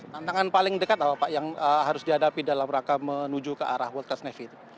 tantangan paling dekat apa pak yang harus dihadapi dalam rangka menuju ke arah world class navy itu